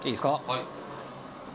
はい。